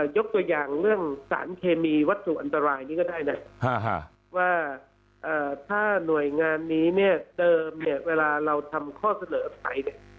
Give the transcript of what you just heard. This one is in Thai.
ยกตัวอย่างเรื่องสารเคมีวัตถุอันตรายนี้ก็ได้นะว่าถ้าหน่วยงานนี้เนี่ยเดิมเนี่ยเวลาเราทำข้อเสนอไปเนี่ย